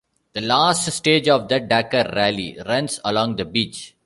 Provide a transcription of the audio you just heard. The last stage of the Dakar Rally runs along the beach.